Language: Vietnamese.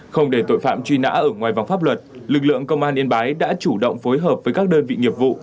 không để tội phạm truy nã ở ngoài vòng pháp luật lực lượng công an yên bái đã chủ động phối hợp với các đơn vị nghiệp vụ